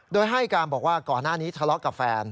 โดยให้การบอกว่าก่อนหน้านี้ทะเลาะกับแฟน